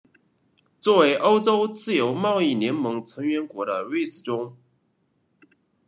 作为欧洲自由贸易联盟成员国的瑞士中。